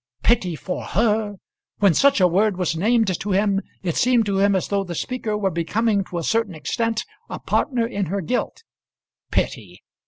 Pity for her! When such a word was named to him, it seemed to him as though the speaker were becoming to a certain extent a partner in her guilt. Pity!